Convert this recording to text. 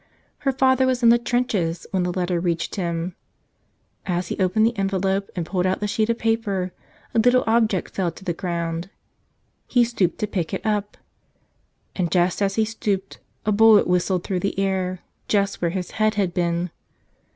Her father was in the trenches when the letter reached him. As he opened the envelope and pulled out the sheet of paper a little object fell to the ground. He stooped to pick it up. And just as he stooped a bullet whistled through the air just where his head had been.